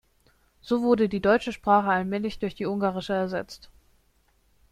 So wurde die deutsche Sprache allmählich durch die ungarische ersetzt.